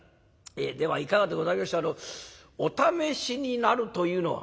えではいかがでございましょうお試しになるというのは？」。